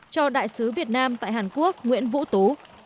cho đại sứ việt nam tại hàn quốc nguyễn vũ tú